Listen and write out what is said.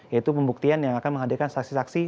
yaitu pembuktian yang akan menghadirkan saksi saksi